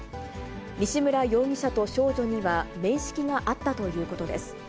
西村容疑者と少女には面識があったということです。